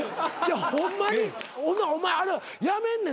ホンマにお前あれやめんね